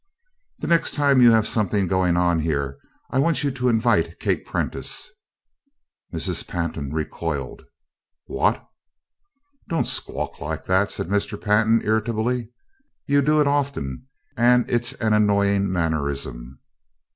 "The next time you have something going on here I want you to invite Kate Prentice." Mrs. Pantin recoiled. "What!" "Don't squawk like that!" said Mr. Pantin, irritably. "You do it often, and it's an annoying mannerism."